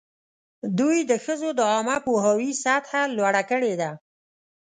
دوی د ښځو د عامه پوهاوي سطحه لوړه کړې ده.